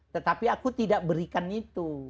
tetapi aku tidak berikan itu